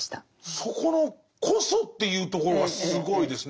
そこの「こそ」というところがすごいですね。